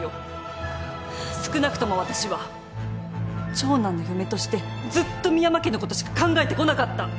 少なくとも私は長男の嫁としてずっと深山家のことしか考えてこなかった。